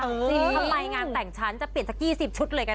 ทำไมงานแต่งชั้นจะเปลี่ยนสัก๒๐ชุดเลยก็ได้